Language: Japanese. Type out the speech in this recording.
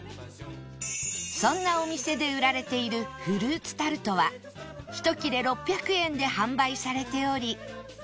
そんなお店で売られているフルーツタルトは一切れ６００円で販売されており